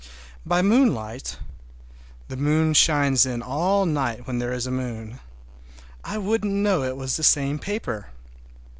By moonlight—the moon shines in all night when there is a moon—I wouldn't know it was the same paper.